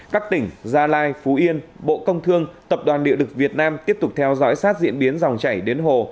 các tỉnh gia lai phú yên bộ công thương tập đoàn điện lực việt nam tiếp tục theo dõi sát diễn biến dòng chảy đến hồ